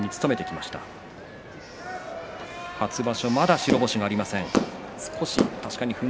まだ白星がありません。